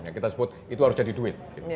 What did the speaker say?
yang kita sebut itu harus jadi duit